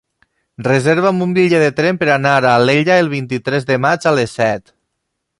Reserva'm un bitllet de tren per anar a Alella el vint-i-tres de maig a les set.